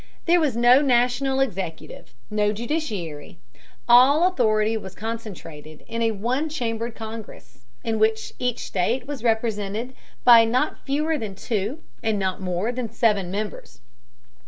There was no national executive, and no judiciary. All authority was concentrated in a one chambered congress, in which each state was represented by not fewer than two and not more than seven members.